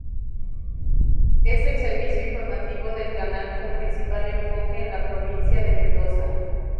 Es el servicio informativo del canal con principal enfoque a la Provincia de Mendoza.